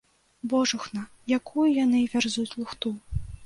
Божухна, якую яны вярзуць лухту!